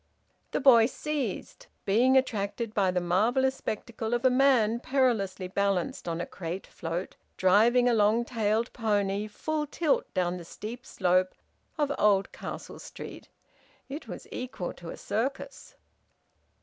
The boy ceased, being attracted by the marvellous spectacle of a man perilously balanced on a crate float driving a long tailed pony full tilt down the steep slope of Oldcastle Street: it was equal to a circus.